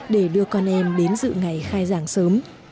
để đưa con em đến dự ngày khai giảng sớm